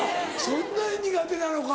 そんなに苦手なのか。